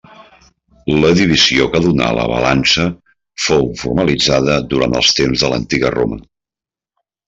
La divisió que donà la Balança fou formalitzada durant els temps de l'Antiga Roma.